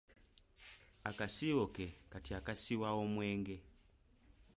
Akasiiwo ke kati akasiwa omwenge.